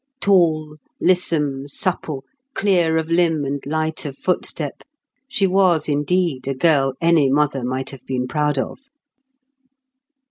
Tall, lissome, supple, clear of limb and light of footstep, she was indeed a girl any mother might have been proud of.